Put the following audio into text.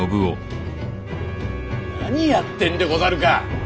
何やってんでござるか？